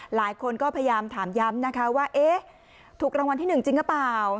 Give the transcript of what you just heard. หลายคนก็พยายามถามย้ำนะคะว่าเอ๊ะถูกรางวัลที่๑จริงหรือเปล่า